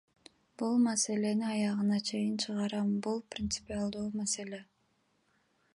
Бул маселени аягына чейин чыгарам, бул принципиалдуу маселе!